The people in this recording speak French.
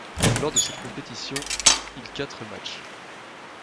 Lors de cette compétition, il quatre matchs.